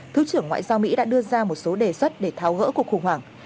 thứ trưởng ngoại giao mỹ đã đưa ra một số đề xuất để tháo gỡ cuộc khủng hoảng